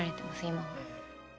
今は。